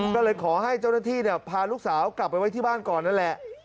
ก็เลยขอให้เจ้าหน้าที่พาลูกสาวกลับไปไว้ที่บ้านก่อนนั่นแหละ